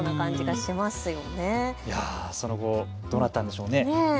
その後、どうなったんでしょうね。